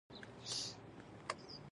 علّامي ص څلور سوه شپږ.